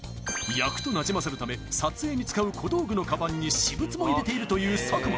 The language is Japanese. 役となじませるため撮影に使う小道具のカバンに私物も入れているという佐久間